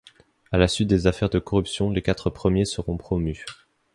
À la suite des affaires de corruption, les quatre premiers seront promus.